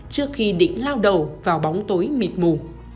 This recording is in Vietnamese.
trước khi định lao đầu vào bóng tối mịt mù